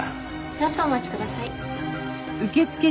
少々お待ちください。